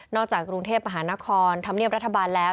จากกรุงเทพมหานครธรรมเนียบรัฐบาลแล้ว